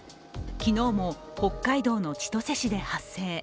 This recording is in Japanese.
昨日も、北海道の千歳市で発生。